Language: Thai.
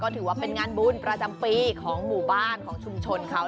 ถือว่าเป็นงานบุญประจำปีของหมู่บ้านของชุมชนเขา